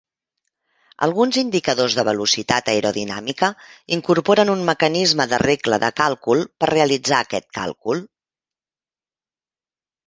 Alguns indicadors de velocitat aerodinàmica incorporen un mecanisme de regle de càlcul per realitzar aquest càlcul.